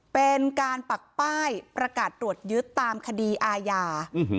เป็นการปักป้ายประกาศตรวจยึดตามคดีอาญา